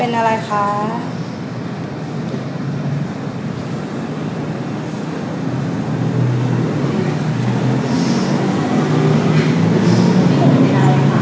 เป็นอะไรครับ